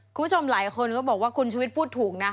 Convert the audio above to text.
คุณผู้ชมหลายคนก็บอกว่าคุณชุวิตพูดถูกนะ